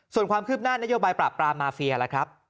ส่วนความคืบหน้านโยบายปราบปรามมาเฟียล่ะครับ